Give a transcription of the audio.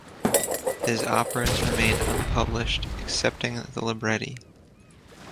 His operas remained unpublished, excepting the libretti.